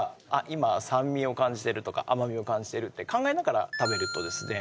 今酸味を感じてるとか甘味を感じてるって考えながら食べるとですね